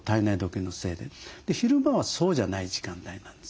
昼間はそうじゃない時間帯なんですよ。